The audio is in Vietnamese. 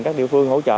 các địa phương hỗ trợ